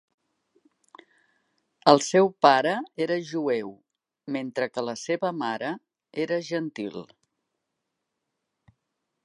El seu pare era jueu mentre que la seva mare era gentil.